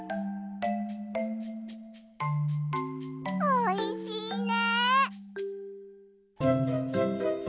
おいしいね！